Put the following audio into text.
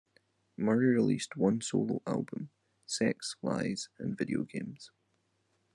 Murray released one solo album "Sex Lies and Videogames".